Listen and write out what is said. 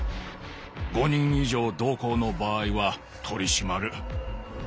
５人以上同行の場合は取り締まる。